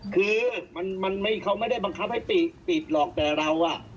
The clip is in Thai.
คือมันเขาไม่ได้บังคับให้ปิดปิดหรอกแต่เราอ่ะ